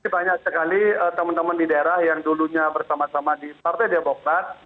banyak sekali teman teman di daerah yang dulunya bersama sama di partai demokrat